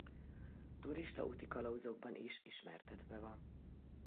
Turista útikalauzokban is ismertetve van.